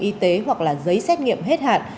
y tế hoặc là giấy xét nghiệm hết hạn